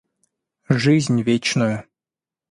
жизнь вечную.